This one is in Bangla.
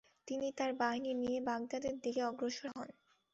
তিনি তার বাহিনী নিয়ে বাগদাদের দিকে অগ্রসর হন।